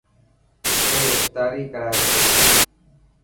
اي افتاري ڪرائي تو.